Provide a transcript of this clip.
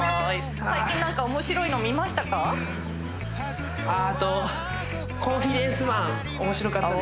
最近何か面白いの見ましたか？